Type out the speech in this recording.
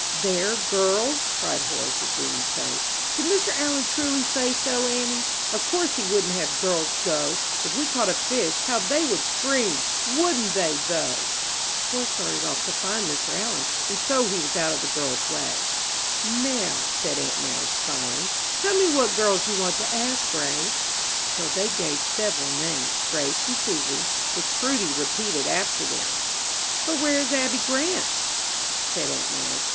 "There, girls," cried Horace, with beaming face. "Did Mr. Allen truly say so, auntie? Of course he wouldn't have girls go. If we caught a fish, how they would scream; wouldn't they, though?" Horace darted off to find Mr. Allen, and so he was out of the girls' way. "Now," said aunt Madge, smiling, "tell me what girls you want to ask, Grace." So they gave several names Grace and Susy which Prudy repeated after them. "But where is Abby Grant?" said aunt Madge.